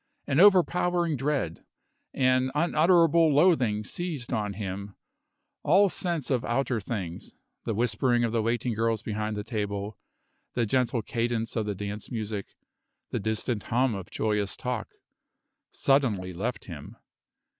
An overpowering dread, an unutterable loathing seized on him; all sense of outer things the whispering of the waiting girls behind the table, the gentle cadence of the dance music, the distant hum of joyous talk suddenly left him.